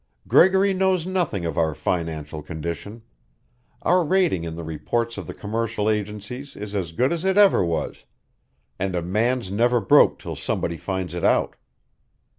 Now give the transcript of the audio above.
"Gregory knows nothing of our financial condition. Our rating in the reports of the commercial agencies is as good as it ever was, and a man's never broke till somebody finds it out."